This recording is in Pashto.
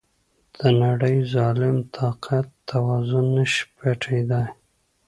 د نړی ظالم طاقت توازن نشي پټیدای.